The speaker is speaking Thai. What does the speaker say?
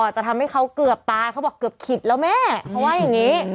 จะทำให้เขาเกือบตายเขาบอกเกือบขิดแล้วแม่เขาว่าอย่างนี้